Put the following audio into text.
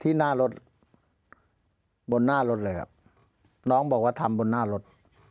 ที่หน้ารถบนหน้ารถเลยครับน้องบอกว่าทำบนหน้ารถ